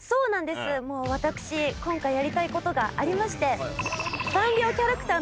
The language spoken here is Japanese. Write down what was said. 私今回やりたいことがありまして。